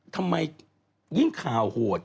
ทำไมยิ่งข่าวโหด